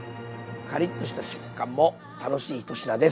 カリッとした食感も楽しい１品です。